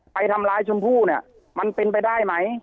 ไปทำร้ายชมพู่เนี่ยมันเป็นไปได้ไหม